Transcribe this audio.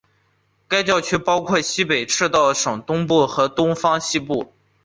教区包括该国西北部赤道省东部和东方省西部。